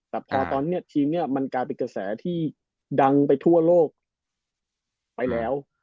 แต่พอตอนนี้ทีมนี้มันกลายเป็นกระแสที่ดังไปทั่วโลกไปแล้ว